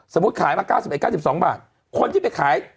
สมมุติขายมาเก้าสิบแล้วเก้าสิบสองบาทคนที่ไปขาย